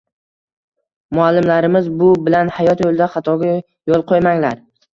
muallimlarimiz bu bilan hayot yo‘lida xatoga yo‘l qo‘ymanglar